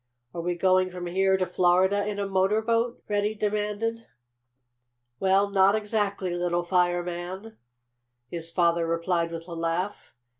"Are we going from here to Florida in a motor boat?" Freddie demanded. "Well, not exactly, little fireman," his father replied with a laugh.